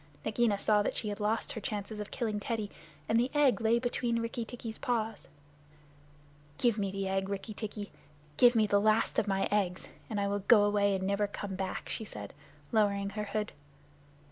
Nagaina saw that she had lost her chance of killing Teddy, and the egg lay between Rikki tikki's paws. "Give me the egg, Rikki tikki. Give me the last of my eggs, and I will go away and never come back," she said, lowering her hood.